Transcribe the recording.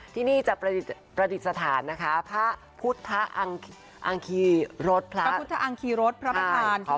ที่นี่จะประดิษฐานพระพุทธอังคิรสพระพระพระภาษา